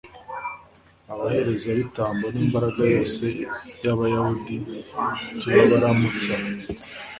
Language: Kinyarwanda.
abaherezabitambo n'imbaga yose y'abayahudi, turabaramutsa